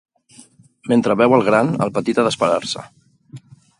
Mentre beu el gran, el petit ha d'esperar-se.